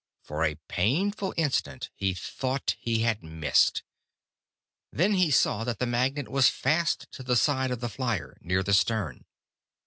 For a painful instant he thought he had missed. Then he saw that the magnet was fast to the side of the flier, near the stern.